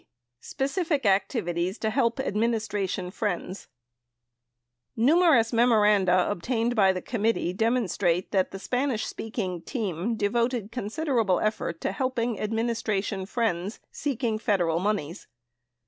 Specific Activities To Help Administration Friends Numerous memoranda obtained by the committee demonstrate that the Spanish speaking "team" devoted considerable effort to helping administration friends seeking Federal moneys.